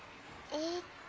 えっと。